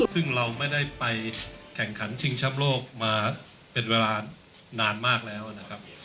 ซึ่งเราไม่ได้ไปแข่งขันชิงช้ำโลกมาเป็นเวลานานมากแล้วนะครับ